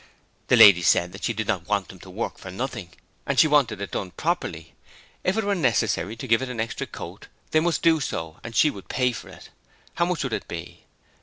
The lady said that she did not want them to work for nothing, and she wanted it done properly. If it were necessary to give it an extra coat, they must do so and she would pay for it. How much would it be?